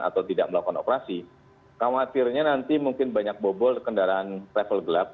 atau tidak melakukan operasi khawatirnya nanti mungkin banyak bobol kendaraan travel gelap